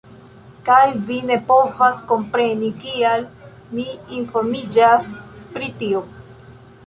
Kaj vi ne povas kompreni, kial mi informiĝas pri tio.